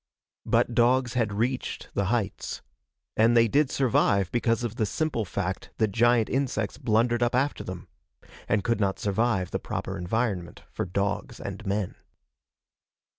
But dogs had reached the heights. And they did survive because of the simple fact that giant insects blundered up after them and could not survive the proper environment for dogs and men.